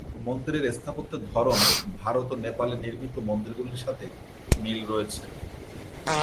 মন্দিরের স্থাপত্যের ধরন ভারত ও নেপালে নির্মিত মন্দিরগুলির সাথে মিল রয়েছে।